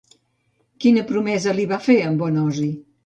Quina promesa li va fer en Bonosi?